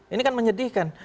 ini kan menyedihkan